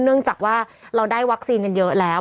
เนื่องจากว่าเราได้วัคซีนกันเยอะแล้ว